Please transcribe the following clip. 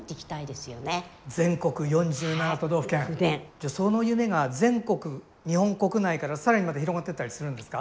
じゃその夢が全国日本国内から更にまた広がってったりするんですか？